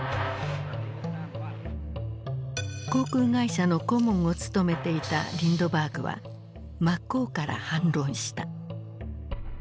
航空会社の顧問を務めていたリンドバーグは真っ向から反論した。